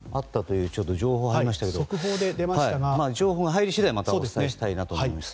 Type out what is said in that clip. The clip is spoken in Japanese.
今、地震があったという情報がありましたがまた情報が入り次第お伝えしたいと思います。